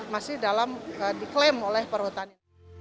masih dalam diklaim oleh perhutani